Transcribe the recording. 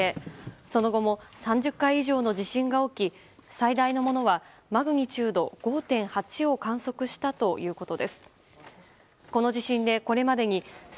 その後も３０回以上の地震が起き最大のものはマグニチュード５．８を観測したということです。